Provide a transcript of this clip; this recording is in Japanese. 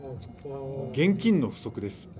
現金の不足です。